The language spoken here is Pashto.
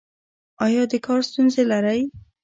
ایا د کار ستونزې لرئ؟